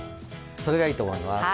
それがいいと思います。